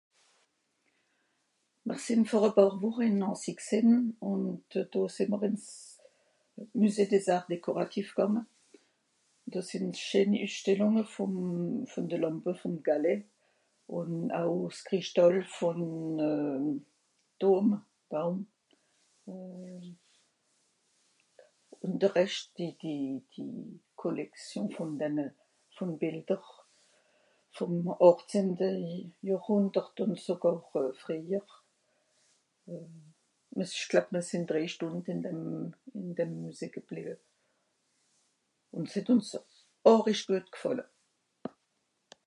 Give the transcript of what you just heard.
Mìr sìnn vor e pààr Woche ìn Nancy gsìnn, ùn denoh sìì'mr ìn's Müsé des arts décoratifs gànge, do sìnn scheeni Üssstellùnge vùn... vùn de Làmpe vùn Calais ùn au s'Cryschtàl vùm Dôme. Ùn de Rescht die... die...die Collection vùn denne... vùn Bìlder, vùm àchzehnte Johrhùndert ùn sogàr frìehjer. Ìch gloeb mìr sìnn drèi Stùnd ìn dem... ìn dem Müsé gebliwe. Ùn s'het ùns àrisch güet gfàlle.